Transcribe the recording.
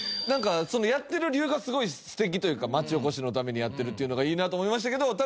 なんかそのやってる理由がすごい素敵というか町おこしのためにやってるっていうのがいいなと思いましたけど。